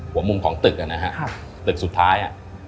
หัวมุมของตึกนะครับตึกสุดท้าย